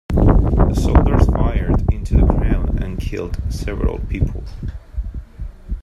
The soldiers fired into the crowd and killed several people.